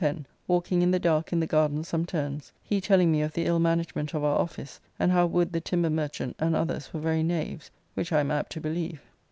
Pen, walking in the dark in the garden some turns, he telling me of the ill management of our office, and how Wood the timber merchant and others were very knaves, which I am apt to believe.